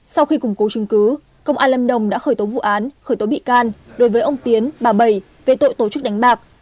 sau khi củng cố chứng cứ công an lâm đồng đã khởi tố vụ án khởi tố bị can đối với ông tiến bà bảy về tội tổ chức đánh bạc